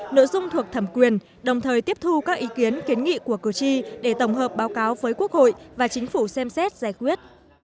nội dung thuộc thẩm quyền đồng thời tiếp thu các ý kiến kiến nghị của cử tri để tổng hợp báo cáo với quốc hội và chính phủ xem xét giải quyết